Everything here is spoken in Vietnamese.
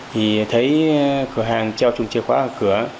thì thấy cửa hàng treo trùm chìa khóa vào cửa